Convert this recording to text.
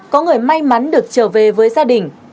có người may mắn được trở về với gia đình